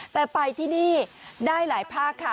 แต่ไปที่นี่ได้หลายภาคค่ะ